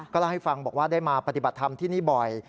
เล่าให้ฟังบอกว่าได้มาปฏิบัติธรรมที่นี่บ่อย